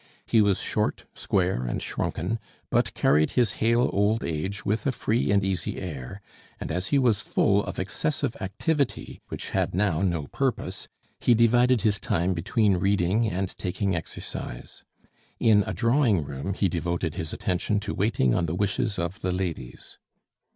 He was short, square, and shrunken, but carried his hale old age with a free and easy air; and as he was full of excessive activity, which had now no purpose, he divided his time between reading and taking exercise. In a drawing room he devoted his attention to waiting on the wishes of the ladies.